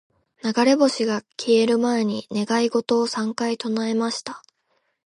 •流れ星が消える前に、願い事を三回唱えました。